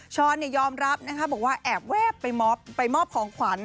ช้อนยอมรับนะคะบอกว่าแอบแวบไปมอบของขวัญ